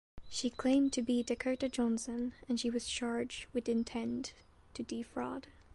She claimed to be "Dakota Johnson" and she was charged with intent to defraud.